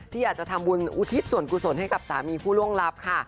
ที่อยากจะทำบุญอุทิศส่วนกุศลให้กับสามีผู้ล่วงลับค่ะ